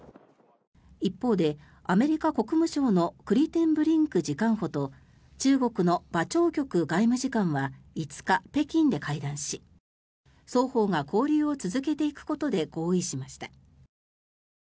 一方でアメリカ国務省のクリテンブリンク次官補と中国のバ・チョウキョク外務次官は５日、北京で会談し双方が交流を続けていくことで合意しました。